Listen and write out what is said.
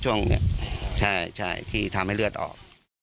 ช่วงนี้ใช่ที่ทำให้เลือดออก